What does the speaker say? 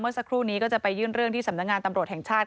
สักครู่นี้ก็จะไปยื่นเรื่องที่สำนักงานตำรวจแห่งชาติ